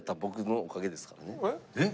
えっ？